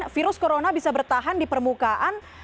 virus corona bisa bertahan di permukaan